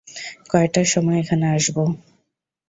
কয়টার সময় এখানে আসবো?